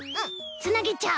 つなげちゃう。